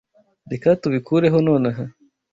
Reka tubikureho nonaha.